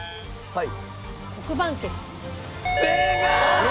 はい。